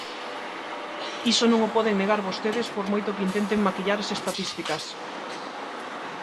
Iso non o poden negar vostedes por moito que intenten maquillar as estatísticas.